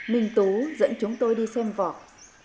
minh tú dẫn chúng tôi đi xem vọt